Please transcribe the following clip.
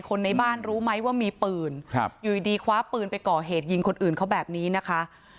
คนในบ้านรู้ไหมว่ามีปืนอยู่ดีคว้าปืนไปก่อเหตุยิงคนอื่นเขาแบบนี้นะคะ